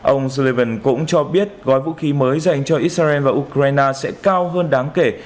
ông sullivan cũng cho biết gói vũ khí mới dành cho israel và ukraine sẽ cao hơn đáng kể